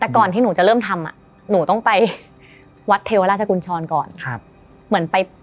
แต่ก่อนที่หนูจะเริ่มทำอ่ะหนูต้องไปวัดเทวราชกุญชรก่อนครับเหมือนไป